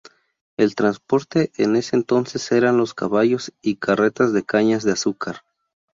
El transporte en ese entonces eran los caballos y carretas de cañas de azúcar.